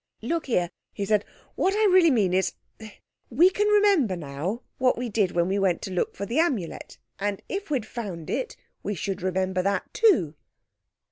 "Look here," he said, "what I really mean is—we can remember now what we did when we went to look for the Amulet. And if we'd found it we should remember that too."